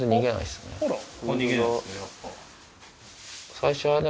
最初はね